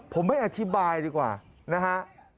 ผมไม่อธิบายดีกว่านะฮะ